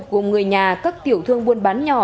gồm người nhà các tiểu thương buôn bán nhỏ